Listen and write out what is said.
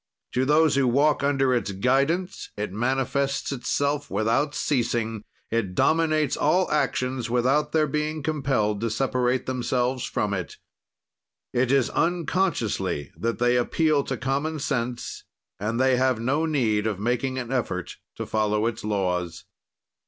"To those who walk under its guidance; it manifests itself without ceasing; it dominates all actions without their being compelled to separate themselves from it. "It is unconsciously that they appeal to common sense and they have no need of making an effort to follow its laws.